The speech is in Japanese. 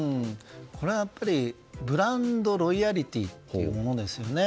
これはやっぱりブランドロイヤリティーというものですよね。